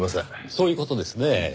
そういう事ですねぇ。